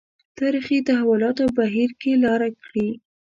تاریخي تحولاتو بهیر کې لاره کړې.